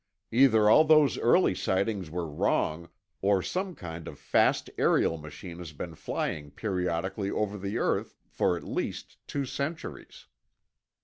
Either all those early sightings were wrong, or some kind of fast aerial machine has been flying periodically over the earth for at least two centuries.